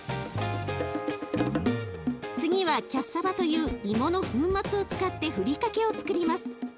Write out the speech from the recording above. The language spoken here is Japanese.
次はキャッサバというイモの粉末を使ってふりかけをつくります。